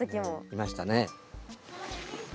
いましたね。